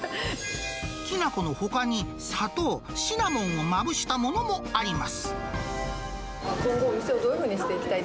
きな粉のほかに、砂糖、シナモンをまぶしたものもあります。